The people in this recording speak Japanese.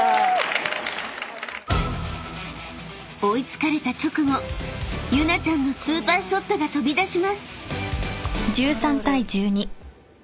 ［追い付かれた直後ユナちゃんのスーパーショットが飛び出します］